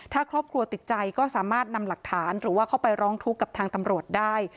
ถ้าครอบครัวติดใจก็สามารถนำหลักฐานหรือว่าเข้าไปร้องทุกข์กับทางตำรวจได้